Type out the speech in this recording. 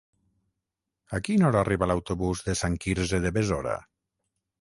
A quina hora arriba l'autobús de Sant Quirze de Besora?